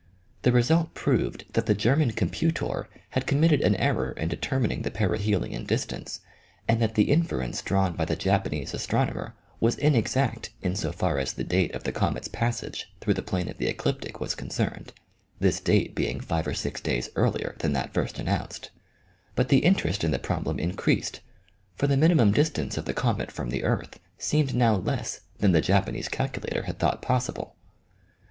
The result proved that the German com puter had committed an error in determining the peri helion distance and that the inference drawn by the Japanese astronomer was inexact in so far as the date of the comet's passage through the plane of the ecliptic was concerned, this date being five or six days earlier than that first announced ; but the interest in the problem increased, for the minimum distance of the comet from the earth seemed now less than the Japanese calculator had thought possible.